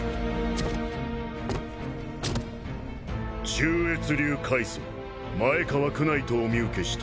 中越流開祖前川宮内とお見受けした。